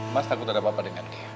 mas takut ada apa apa dengan dia